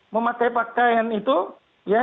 memakai pakaian itu ya